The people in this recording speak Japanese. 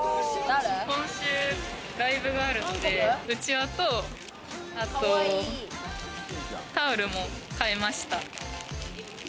今週ライブがあるので、うちわとタオルも買いました。